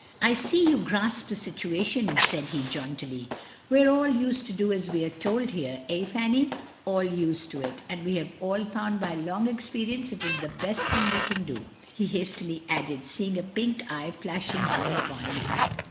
"I see you grasp the situation," said he jauntily. "We are all used to do as we are told here — eh, Fanny? — all used to it, and we have all found by long experience it is the best thing we can do," he hastily added, seeing a pink eye flashing round upon him.